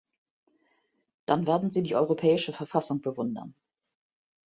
Dann werden Sie die Europäische Verfassung bewundern.